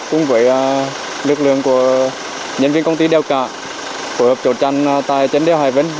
cũng với lực lượng của nhân viên công ty đèo cả hối hợp chụp chặn tại trên đèo hải vân